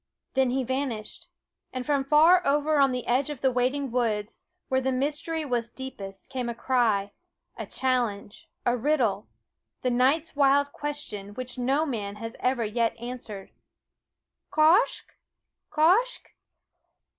Then he vanished; and from far over on the edge of the waiting woods, where the mystery was deepest, came a cry, a challenge, a riddle, the night's wild question which no man has ever yet answered Quoskh